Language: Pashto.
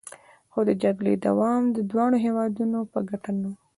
خو د جګړې دوام د دواړو هیوادونو په ګټه نه و